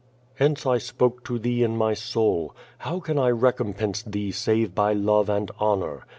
Hence I spoke to thee in my soul. How can 1 recompense thee save by love and honor?